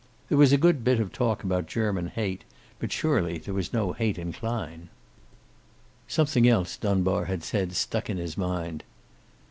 There was a good bit of talk about German hate, but surely there was no hate in Klein. Something else Dunbar had said stuck in his mind.